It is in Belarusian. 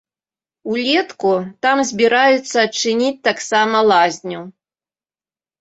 Улетку там збіраюцца адчыніць таксама лазню.